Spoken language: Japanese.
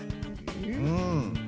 うん。